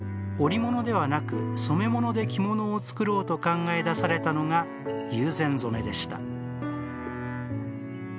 そこで、織物ではなく染物で着物を作ろうと考え出されたのが友禅染でした。